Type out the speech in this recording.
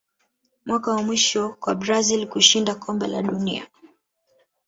mwaka wa mwisho kwa brazil kushinda kombe la dunia